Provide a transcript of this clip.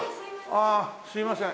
ああすいません。